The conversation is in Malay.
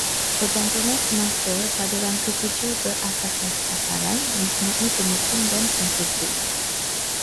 Pergantungan semasa pada rangka kerja berasaskan pasaran mempunyai penyokong dan pengkritik